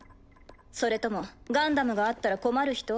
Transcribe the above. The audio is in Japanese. それともガンダムがあったら困る人？